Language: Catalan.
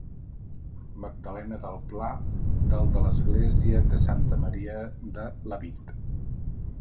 Magdalena del Pla del de l'església de Santa Maria de Lavit.